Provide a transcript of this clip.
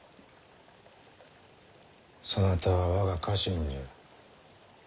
そなたは我が家臣じゃ。